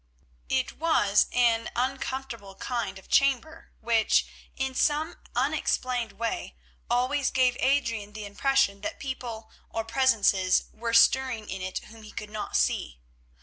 It was an uncomfortable kind of chamber which, in some unexplained way, always gave Adrian the impression that people, or presences, were stirring in it whom he could not see.